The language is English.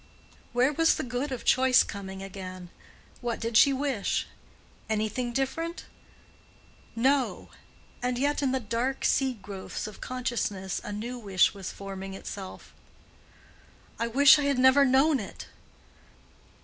Where was the good of choice coming again? What did she wish? Anything different? No! And yet in the dark seed growths of consciousness a new wish was forming itself—"I wish I had never known it!"